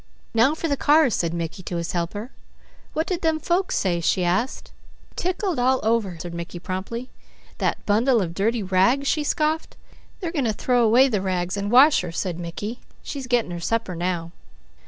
"Now for the cars," said Mickey to his helper. "What did them folks say?" she asked. "Tickled all over," answered Mickey promptly. "That bundle of dirty rags!" she scoffed. "They are going to throw away the rags and wash her," said Mickey. "She's getting her supper now."